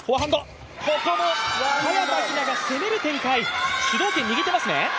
ここも早田ひなが攻める展開、主導権握ってますね。